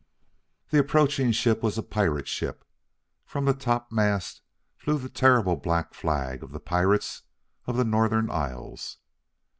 The approaching ship was a pirate ship! From the topmast flew the terrible black flag of the pirates of the Northern Isles!